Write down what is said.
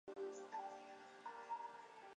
他们在阿根廷联赛扩充后从阿乙升班。